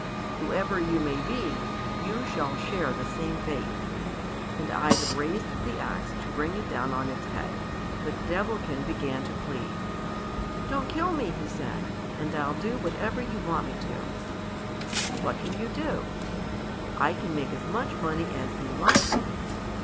"Whoever you may be, you shall share the same fate." And Ivan raised the axe to bring it down on its head, but the Devilkin began to plead. "Don't kill me," he said, "and I'll do whatever you want me to." "What can you do?" "I can make as much money as you like."